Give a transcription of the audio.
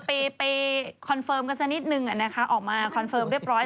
ไปคอนเฟิร์มกันสักนิดนึงนะคะออกมาคอนเฟิร์มเรียบร้อย